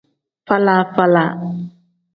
Faala-faala.